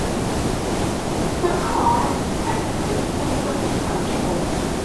不可能等下一分鐘才做